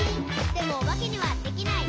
「でもおばけにはできない」